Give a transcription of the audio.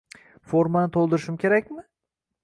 Formani to’ldirishim kerakmi?